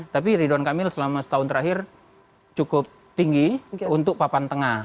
tapi ridwan kamil selama setahun terakhir cukup tinggi untuk papan tengah